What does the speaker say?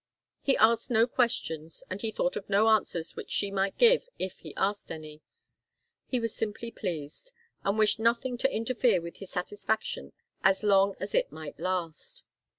He asked no questions, and he thought of no answers which she might give if he asked any. He was simply pleased, and wished nothing to interfere with his satisfaction as long as it might last.